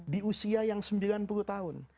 di usia yang sembilan puluh tahun